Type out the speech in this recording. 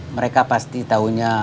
mereka pasti taunya